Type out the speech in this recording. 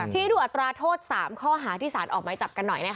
ทีนี้ดูอัตราโทษ๓ข้อหาที่สารออกไม้จับกันหน่อย